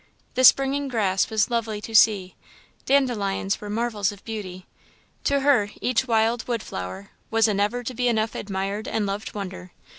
The springing grass was lovely to see; dandelions were marvels of beauty; to her each wild wood flower was a never to be enough admired and loved wonder.